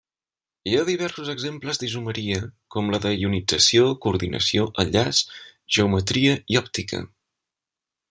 Hi ha diversos exemples d'isomeria com la de ionització, coordinació, enllaç, geometria i òptica.